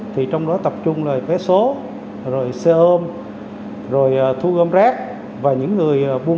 thì trong đó tập trung là vé số rồi xe ôm rồi thu gom rác và những người buôn bán hàng rong